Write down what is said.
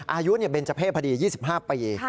อายุเป็นเจ้าเพศพอดี๒๕ปี